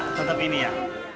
enggak tetap ini ya